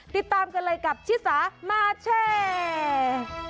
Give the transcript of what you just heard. ติดตามกันเลยกับชิสามาแชร์